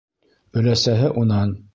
Өләсәһе унан: